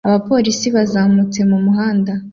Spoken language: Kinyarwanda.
Abapolisi bazamutse mu muhanda